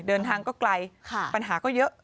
เดินทางก็ไกลปัญหาก็เยอะ